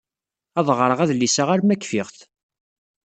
Ad ɣreɣ adlis-a arma kfiɣ-t.